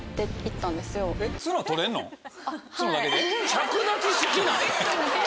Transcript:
着脱式なん？